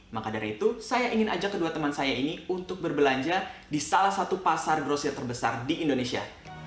maka dari itu saya ingin ajak kedua teman saya ini untuk berbelanja di salah satu pasar grosir terbesar di indonesia